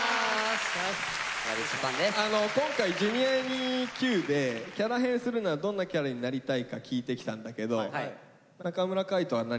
今回「Ｊｒ．にＱ」でキャラ変するならどんなキャラになりたいか聞いてきたんだけど中村海人は何かありますか？